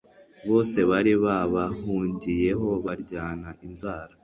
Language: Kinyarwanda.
bose bari babahugiyeho baryana inzara